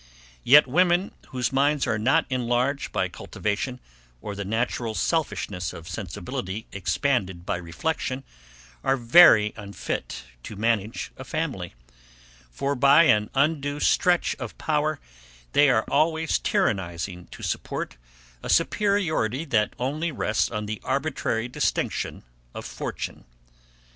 Yet women, whose minds are not enlarged by cultivation, or the natural selfishness of sensibility expanded by reflection, are very unfit to manage a family; for by an undue stretch of power, they are always tyrannizing to support a superiority that only rests on the arbitrary distinction of fortune.